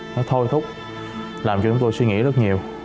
nó thôi thúc làm cho chúng tôi suy nghĩ rất nhiều